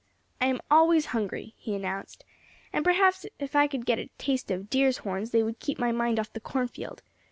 "I'm always hungry," he announced. "And perhaps if I could get a taste of deer's horns they would keep my mind off the cornfield.